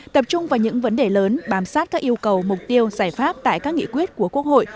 tập trung vào những vấn đề lớn bám sát các yêu cầu mục tiêu giải pháp tại các nghị quyết của quốc hội